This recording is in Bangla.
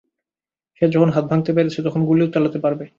সে যখন হাত ভাঙতে পেরেছে, তখন গুলিও চালাতে পারবে?